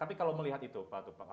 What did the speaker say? tapi kalau melihat itu pak tupang